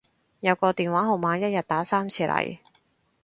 有個電話號碼一日打三次嚟